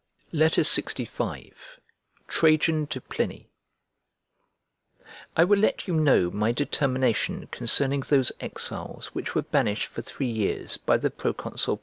LXV TRAJAN TO PLINY I WILL let you know my determination concerning those exiles which were banished for three years by the proconsul P.